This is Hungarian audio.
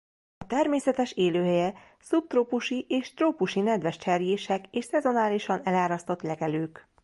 A természetes élőhelye szubtrópusi és trópusi nedves cserjések és szezonálisan elárasztott legelők.